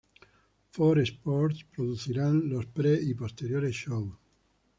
Fox Sports producirán los pre-y posteriores-shows.